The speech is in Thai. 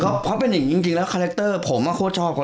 ก็เป็นแบบนึงแล้วคาแรคเตอร์ผมอ้อนก็ขอดชอบด้วย